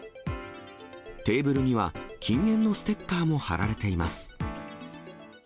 テーブルには禁煙のステッカーも貼られています。